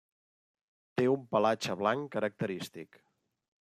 Té un pelatge blanc característic.